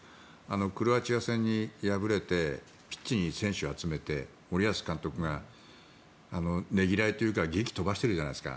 クロアチア戦に敗れてピッチに選手を集めて森保監督がねぎらいというか檄を飛ばしているじゃないですか。